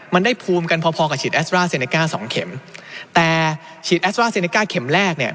มันได้ภูมิกันพอพอกับฉีดแอสตราเซเนก้าสองเข็มแต่ฉีดแอสตราเซเนก้าเข็มแรกเนี่ย